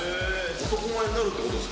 男前になるっていうことです